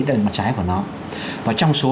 đầy mặt trái của nó và trong số